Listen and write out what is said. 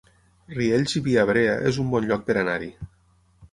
Riells i Viabrea es un bon lloc per anar-hi